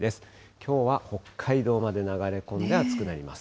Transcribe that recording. きょうは北海道まで流れ込んで暑くなります。